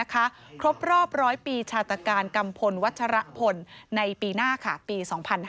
ครบรอบ๑๐๐ปีชาตการกัมพลวัชรพลในปีหน้าค่ะปี๒๕๕๙